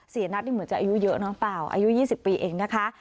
เสียนัทนี่เหมือนจะอายุเยอะน้องเปล่าอายุ๒๐ปีเองนะคะ